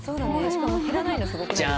しかも減らないのすごくないですか？